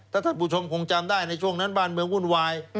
ถ้าท่านผู้ชมคงจำได้ในช่วงนั้นบ้านเมืองวุ่นวาย